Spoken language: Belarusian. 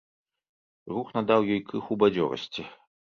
Рух надаў ёй крыху бадзёрасці.